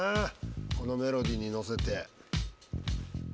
このメロディーに乗せて。